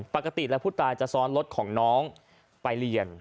ปกติแล้วผู้ตายจะซ้อนรถของน้องไปเรียน